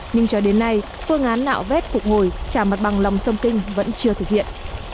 nhưng cho đến nay phương án nạo vét phục hồi trả mặt bằng lòng sông kinh vẫn chưa thực hiện